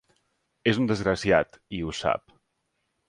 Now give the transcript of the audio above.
És un desgraciat, i ho sap.